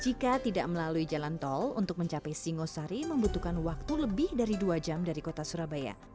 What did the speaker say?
jika tidak melalui jalan tol untuk mencapai singosari membutuhkan waktu lebih dari dua jam dari kota surabaya